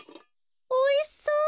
おいしそう。